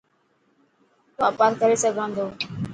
واپار ڪري سگھان ٿو.